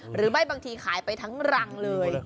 หรือไม่บางทีขายไปทั้งรังเลย